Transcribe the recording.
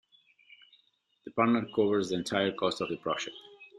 The partner covers the entire cost of the project.